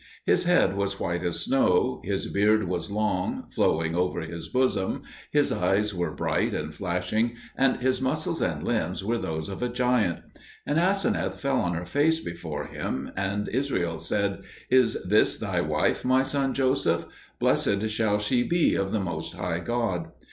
His head was white as snow, his beard was long, flowing over his bosom, his eyes were bright and flashing, and his muscles and limbs were those of a giant. And Aseneth fell on her face before him; and Israel said, "Is this thy wife, my son Joseph? Blessed shall she be of the Most High God."